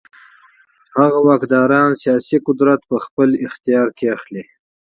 هغه واکداران سیاسي قدرت انحصاروي.